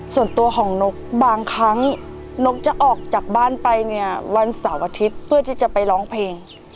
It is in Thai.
ส่วนตัวของนกบางครั้งนกจะออกจากบ้านไปเนี่ยวันเสาร์อาทิตย์เพื่อที่จะไปร้องเพลง